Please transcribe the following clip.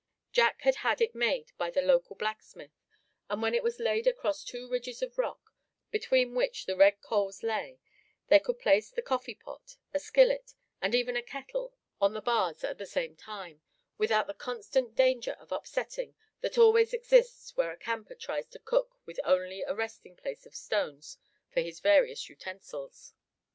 Jack had had it made by the local blacksmith, and when it was laid across two ridges of rock, between which the red coals lay, they could place the coffee pot, a skillet and even a kettle on the bars at the same time, without the constant danger of upsetting that always exists where a camper tries to cook with only a resting place of stones for his various utensils.